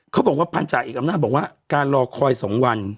เขาบอกว่าพันธาเอกอำนาจบอกว่าการรอคอย๒วัน